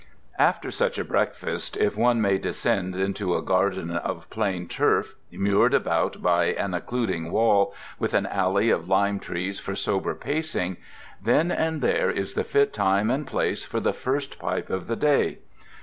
After such a breakfast, if one may descend into a garden of plain turf, mured about by an occluding wall, with an alley of lime trees for sober pacing: then and there is the fit time and place for the first pipe of the day.